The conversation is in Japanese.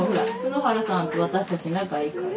春原さんと私たち仲いいから。